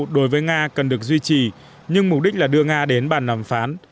đối với nga cần được duy trì nhưng mục đích là đưa nga đến bàn nàm phán